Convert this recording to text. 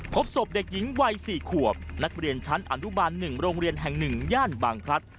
พบศพเด็กหญิงวัย๔ขวบนักเรียนชั้นอนุบาล๑โรงเรียนแห่ง๑ย่านบางพลัด